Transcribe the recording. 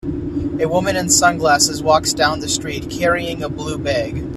A woman in sunglasses walks down the street, carrying a blue bag.